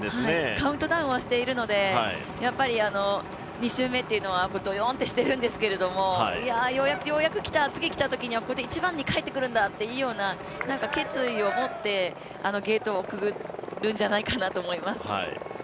カウントダウンはしているので、２周目というのはどよーんとしてるんですけどようやく次、来たときには１番に帰ってくるんだっていうような決意を持ってあのゲートをくぐるんじゃないかなと思います。